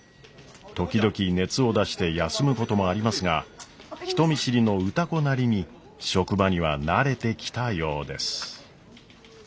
時々熱を出して休むこともありますが人見知りの歌子なりに職場には慣れてきたようです。